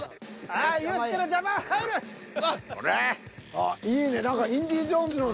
あっいいね何か。